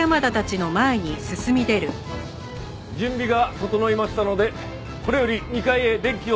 準備が整いましたのでこれより２階へ電気を流します。